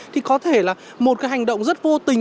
thì có thể là một cái hành động rất vô tình